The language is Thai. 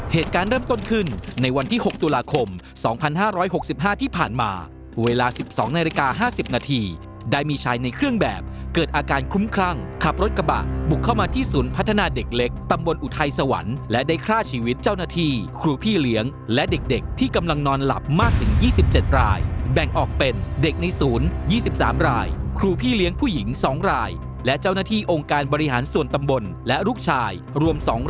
เหตุการณ์เริ่มต้นขึ้นในวันที่๖ตุลาคม๒๕๖๕ที่ผ่านมาเวลา๑๒นาฬิกา๕๐นาทีได้มีชัยในเครื่องแบบเกิดอาการคุ้มครั่งขับรถกระบะบุกเข้ามาที่ศูนย์พัฒนาเด็กเล็กตำบลอุทัยสวรรค์และได้ฆ่าชีวิตเจ้าหน้าที่ครูพี่เลี้ยงและเด็กที่กำลังนอนหลับมากถึง๒๗รายแบ่งออกเป็นเด็กในศูนย์๒๓ร